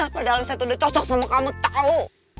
padahal saya tuh udah cocok sama kamu tahu